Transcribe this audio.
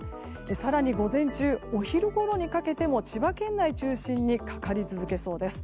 更に午前中お昼ごろにかけても千葉県内中心にかかり続けそうです。